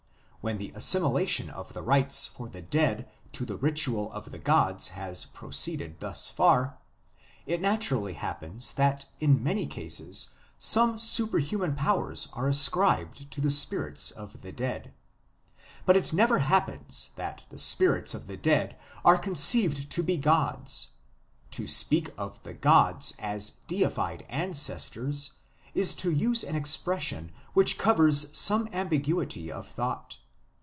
... When the assimilation of the rites for the dead to the ritual of the gods has proceeded thus far, it naturally happens that in many cases some superhuman powers are ascribed to the spirits of the dead. But it never happens that the spirits of the dead are conceived to be gods. ... To speak of the gods as deified ancestors, is to use an expression which covers some ambiguity of thought.